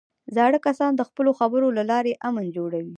زاړه کسان د خپلو خبرو له لارې امن جوړوي